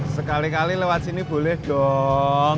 sekali kali lewat sini boleh dong